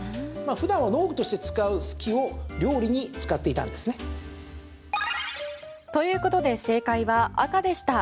普段は農具として使う鋤を料理に使っていたんですね。ということで正解は赤でした。